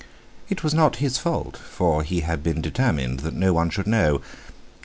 It was not his fault, for he had been determined that no one should know.